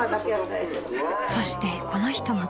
［そしてこの人も］